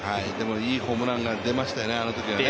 いいホームランが出ましたよね、あのときはね。